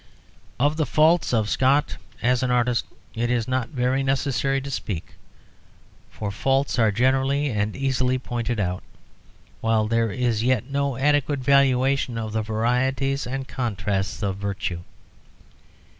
Of the faults of Scott as an artist it is not very necessary to speak, for faults are generally and easily pointed out, while there is yet no adequate valuation of the varieties and contrasts of virtue.